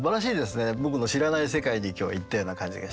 僕の知らない世界に今日は行ったような感じがして。